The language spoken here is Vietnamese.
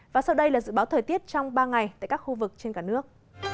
và sau đây là dự báo thời tiết trong ba ngày tại các khu vực trên cả nước